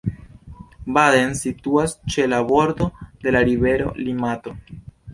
Baden situas ĉe la bordo de la rivero Limato.